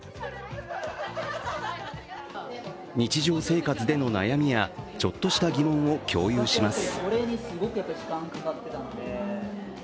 日常生活での悩みやちょっとした疑問を共有します。